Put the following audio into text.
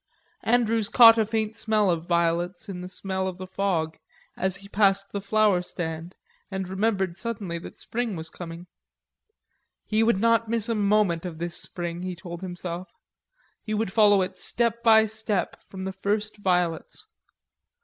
Andrews caught a faint smell of violets in the smell of the fog as he passed the flower stand and remembered suddenly that spring was coming. He would not miss a moment of this spring, he told himself; he would follow it step by step, from the first violets.